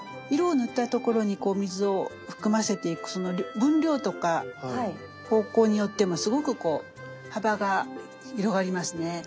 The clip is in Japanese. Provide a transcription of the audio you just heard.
色を塗ったところに水を含ませていくその分量とか方向によってもすごくこう幅が広がりますね。